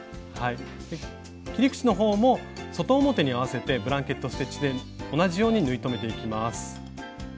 切り口の方も外表に合わせてブランケット・ステッチで同じように縫い留めていきます。